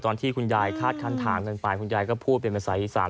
ตอนที่คุณยายคาดขั้นถามกันไปคุณยายก็พูดเป็นภาษาอีสาน